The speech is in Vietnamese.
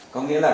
có nghĩa là